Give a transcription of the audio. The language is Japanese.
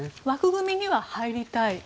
枠組みには入りたい。